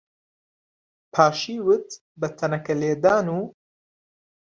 پاشیوت بە تەنەکەلێدان و